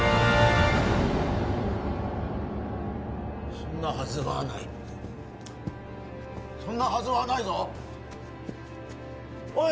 そんなはずはないそんなはずはないぞおい